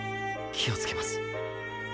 気をつけます。